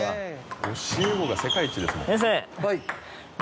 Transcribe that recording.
教え子が世界一ですもん。